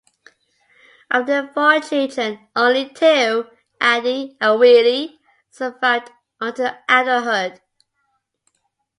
Of their four children, only two, Addie and Willie, survived until adulthood.